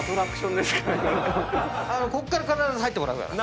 こっから必ず入ってもらうから。